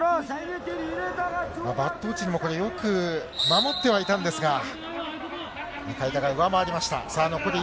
バットオチルも、よく守ってはいたんですが、向田が上回りました。